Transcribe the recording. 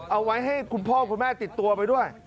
เอาไว้ให้คุณพ่อคุณแม่ติดตัวไปด้วย